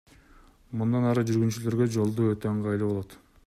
Мындан ары жүргүнчүлөргө жолду өтүү ыңгайлуу болот.